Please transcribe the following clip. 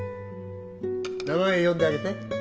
名前呼んであげて